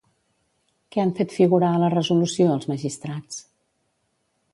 Què han fet figurar a la resolució els magistrats?